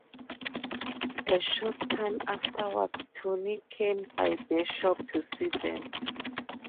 A short time afterwards, Tony came by the shop to see them.